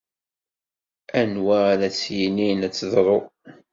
Anwa ara s-yinin ad teḍṛu?